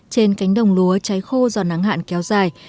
trên cánh đồng lúa cháy khô do nắng hạn kéo dài